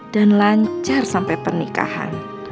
dan lancar sampai pernikahan